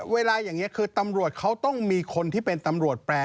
เวลาอย่างนี้คือตำรวจเขาต้องมีคนที่เป็นตำรวจแปร